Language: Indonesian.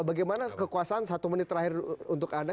bagaimana kekuasaan satu menit terakhir untuk anda